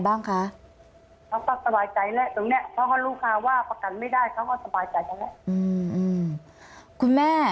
ตรงนี้เขาก็รู้ค่ะว่าประกันไม่ได้เขาก็สบายใจทั้งแหละ